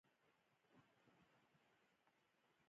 سترګې يې ځلېدې.